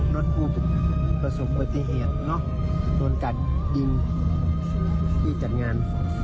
รถกลุ่มประสบประเทศเนอะโดนกัดดินที่จัดงาน